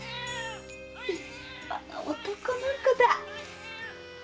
立派な男の子だ。